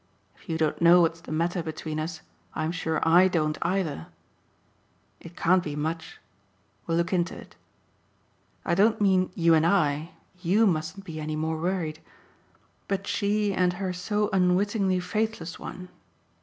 If you don't know what's the matter between us I'm sure I don't either. It can't be much we'll look into it. I don't mean you and I YOU mustn't be any more worried; but she and her so unwittingly faithless one.